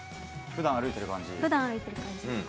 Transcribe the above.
ふだん、歩いてる感じ。